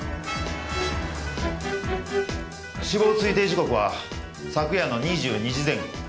死亡推定時刻は昨夜の２２時前後。